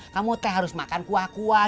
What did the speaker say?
kamu teh harus makan kuah kuah